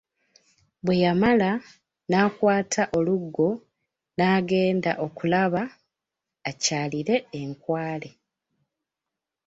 Bwe yamala, n'akwata oluggo n'agenda okulaba akyalire enkwale.